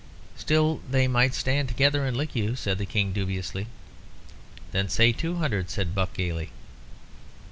"Still they might stand together and lick you," said the King, dubiously. "Then say two hundred," said Buck, gaily.